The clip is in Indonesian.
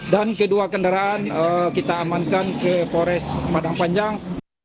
dan kedua kendaraan kita amankan ke pores padang panjang